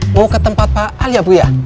mau ke tempat pak al ya bu ya